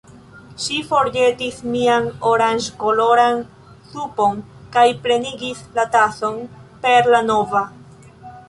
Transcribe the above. Ŝi forĵetis mian oranĝkoloran supon kaj plenigis la tason per la nova.